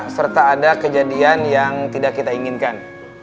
serta ada kejadian yang tidak kita inginkan